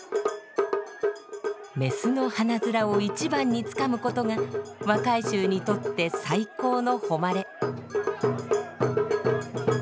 メスの鼻面を一番につかむことが若衆にとって最高の誉れ。